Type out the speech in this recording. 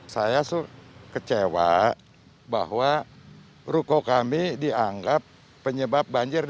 saya kecewa bahwa ruko kami dianggap penyebab banjir